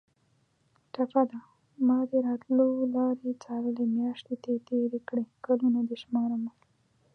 ټپه ده: مادې راتلو لارې څارلې میاشتې دې تېرې کړې کلونه دې شمارمه